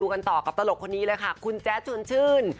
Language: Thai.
กันต่อกับตลกคนนี้เลยค่ะคุณแจ๊ดชวนชื่น